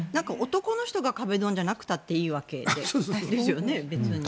男の人が壁ドンじゃなくたっていいよね。